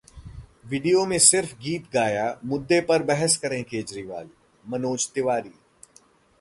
video में सिर्फ गीत गाया, मुद्दे पर बहस करें केजरीवाल - मनोज तिवारी